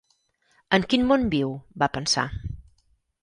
En quin món viu?, va pensar.